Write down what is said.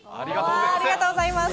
ありがとうございます。